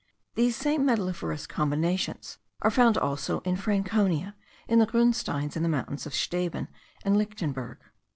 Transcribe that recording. These same metalliferous combinations are found also in Franconia, in the grunsteins of the mountains of Steben and Lichtenberg.